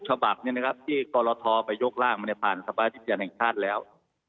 ชบักที่กทไปยกล่างมันได้ผ่านสภาษาจิตรแห่งชาติแล้ว